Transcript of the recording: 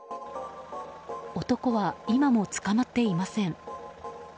男は今も捕まっていません。